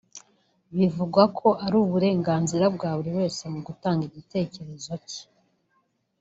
bivugwa ko ari uburenganzira bwa buri wese mu gutanga igitekerezo cye